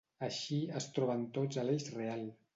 Així, es troben tots a l'eix real.